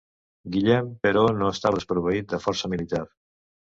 Guillem, però, no estava desproveït de força militar.